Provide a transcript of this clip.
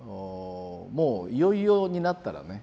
もういよいよになったらね